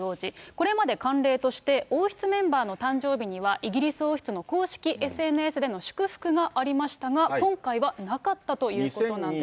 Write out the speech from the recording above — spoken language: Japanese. これまで慣例として、王室メンバーの誕生日には、イギリス王室の公式ＳＮＳでの祝福がありましたが、今回はなかったということなんです。